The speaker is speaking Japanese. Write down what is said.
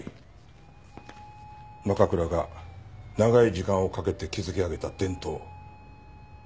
奈可倉が長い時間をかけて築き上げた伝統。